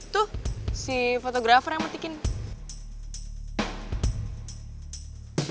tuh si fotografer yang petik ini